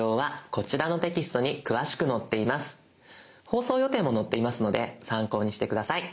放送予定も載っていますので参考にして下さい。